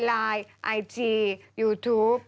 ไลน์ไอจียูทูป